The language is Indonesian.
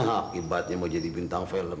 akibatnya mau jadi bintang film